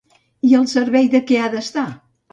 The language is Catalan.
I al servei de què ha d'estar?